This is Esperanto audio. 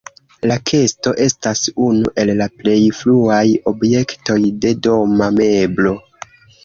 La kesto estas unu el la plej fruaj objektoj de doma meblo.